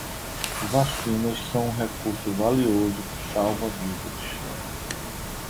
Vacinas são um recurso valioso que salva vidas